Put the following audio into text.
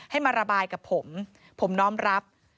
ให้มาระบายกับผมผมน้อมรับ